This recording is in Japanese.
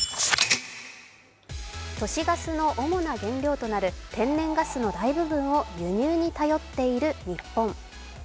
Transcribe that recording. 都市ガスの主な原料となる天然ガスの大部分を輸入に頼っている日本。